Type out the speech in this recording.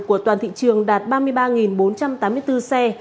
của toàn thị trường đạt ba mươi ba bốn trăm tám mươi bốn xe